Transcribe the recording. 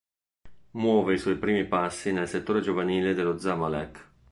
Muove i suoi primi passi nel settore giovanile dello Zamalek.